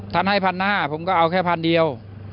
ท่านให้๑๕๐๐ผมก็เอาแค่พันเดียว